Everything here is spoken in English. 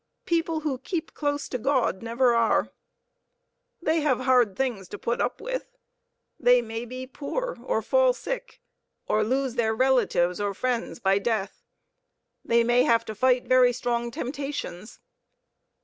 People who keep close to God never are. They have hard things to put up with; they may be poor, or fall sick, or lose their relatives or friends by death; they may have to fight very strong temptations.